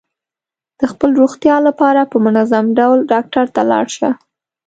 د خپل روغتیا لپاره په منظم ډول ډاکټر ته لاړ شه.